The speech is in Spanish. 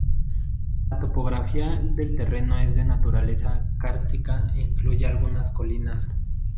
La topografía del terreno es de naturaleza kárstica e incluye algunas colinas.